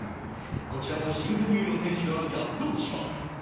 こちらも新加入の選手が躍動します。